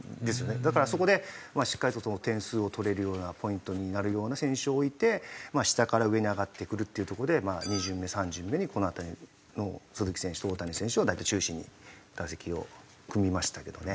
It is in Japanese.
だからそこでしっかりと点数を取れるようなポイントになるような選手を置いて下から上に上がってくるっていうとこで２順目３順目にこの辺りの鈴木選手と大谷選手を大体中心に打席を組みましたけどね。